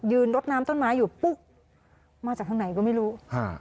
รดน้ำต้นไม้อยู่ปุ๊บมาจากทางไหนก็ไม่รู้ฮะ